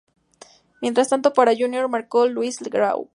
Mientras tanto, para Junior, marcó Luis Grau.